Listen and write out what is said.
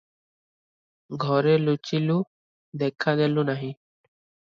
ଘରେ ଲୁଚିଲୁ, ଦେଖାଦେଲୁ ନାହିଁ ।